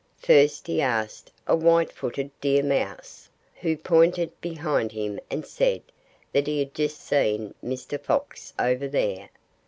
First he asked a white footed deer mouse, who pointed behind him and said that he had just seen Mr. Fox "over there."